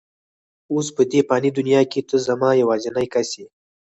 اوس په دې فاني دنیا کې ته زما یوازینۍ کس یې.